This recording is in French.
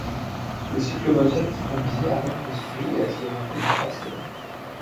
Le cyclomoteur qu'il conduisait a mal fonctionné et a accidentellement accéléré.